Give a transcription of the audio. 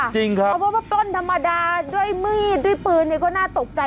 จริงครับเอาเพราะว่าปล้นธรรมดาด้วยมืดด้วยปืนเนี่ยก็น่าตกใจ